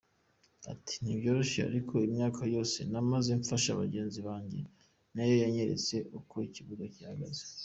Ati “ Ntibyoroshye ariko imyaka yose namaze mfasha bagenzi banjye nayo yanyeretse uko ikibuga gihagaze .